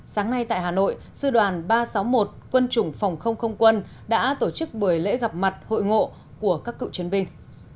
sáng nay tại hà nội sư đoàn ba trăm sáu mươi một quân chủng phòng không không quân đã tổ chức buổi lễ gặp mặt hội ngộ của các cựu chiến binh